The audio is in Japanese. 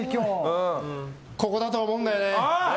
ここだと思うんだよね。